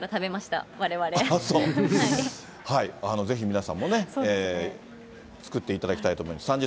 ぜひ皆さんもね、作っていただきたいと思います。